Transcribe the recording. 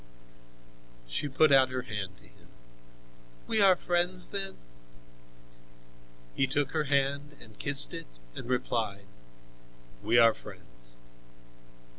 She put out her hand to him: "We are friends then?" He took her hand and kissed it and replied: "We are friends.